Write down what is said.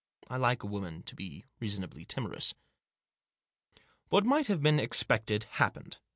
I like a woman to be reasonably timorous. What might have been expected happened.